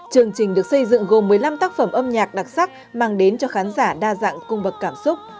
chương trình được xây dựng gồm một mươi năm tác phẩm âm nhạc đặc sắc mang đến cho khán giả đa dạng cung bậc cảm xúc